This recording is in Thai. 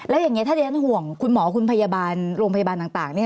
แล้วอย่างนี้ถ้าดิฉันห่วงคุณหมอคุณพยาบาลโรงพยาบาลต่าง